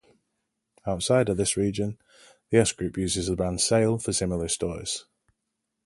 Outside of this region, the S Group uses the brand "Sale" for similar stores.